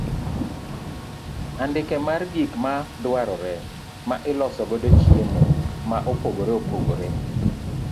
Andike mar gik ma dwarore ma iloso godo chiemo ma opogore opogore.